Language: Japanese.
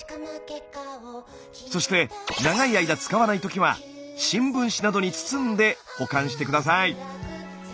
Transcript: そして長い間使わない時は新聞紙などに包んで保管して下さい。